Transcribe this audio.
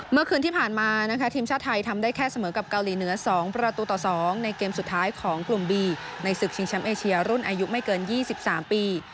เมื่อคืนที่ผ่านมานะคะทีมชาติไทยทำได้แค่เสมอกับเกาหลีเหนือ๒ประตูต่อ๒ในเกมสุดท้ายของกลุ่มบีในศึกชิงแชมป์เอเชียรุ่นอายุไม่เกิน๒๓ปี